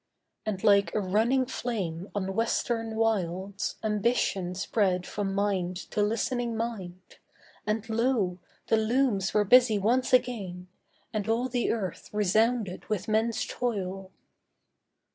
And like a running flame on western wilds, Ambition spread from mind to listening mind, And lo! the looms were busy once again, And all the earth resounded with men's toil.